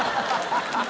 ハハハ